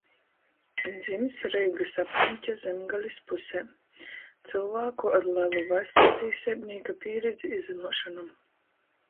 Dzims Reigys apriņka Zemgalis pusē cylvāku ar lelu vaļststīseibnīka pīredzi i zynuošonom.